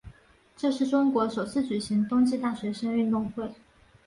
这是中国首次举行冬季大学生运动会。